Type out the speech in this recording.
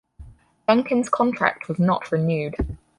Dunkin's contract was not renewed.